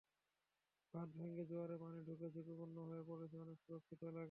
বাঁধ ভেঙে জোয়ারের পানি ঢুকে ঝুঁকিপূর্ণ হয়ে পড়েছে অনেক সুরক্ষিত এলাকা।